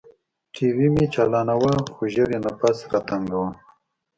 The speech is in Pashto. ټي وي مې چالاناوه خو ژر يې نفس راتنګاوه.